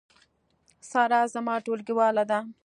سارا زما ټولګیواله ده